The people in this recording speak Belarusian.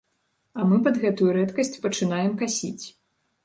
А мы пад гэтую рэдкасць пачынаем касіць.